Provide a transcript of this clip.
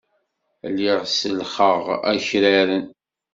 Lliɣ sellxeɣ akraren.